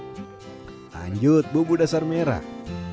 lanjut bumbu dasar merah